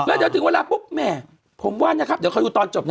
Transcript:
แล้วเดี๋ยวถึงเวลาปุ๊บแหมผมว่านะครับเดี๋ยวเขาดูตอนจบนะ